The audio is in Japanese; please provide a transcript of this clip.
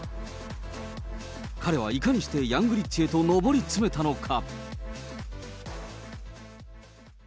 彼はいかにしてヤングリッチへと上り詰めたのか。